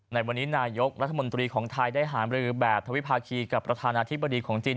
ในวันนี้นายกรัฐมนตรีของไทยได้หามรือแบบทวิภาคีกับประธานาธิบดีของจีน